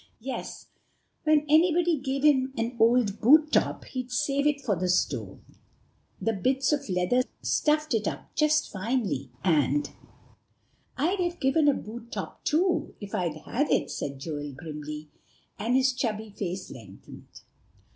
"Yes, when anybody gave him an old boot top, he'd save it for the stove; the bits of leather stuffed it up just finely, and" "I'd have given a boot top too, if I'd had it," said Joel grimly; and his chubby face lengthened.